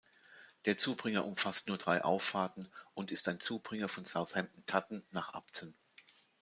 Der Zubringer umfasst nur drei Auffahrten und ist ein Zubringer von Southampton-Totton nach Upton.